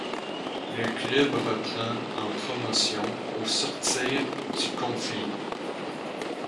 Le club reprend en Promotion au sortir du conflit.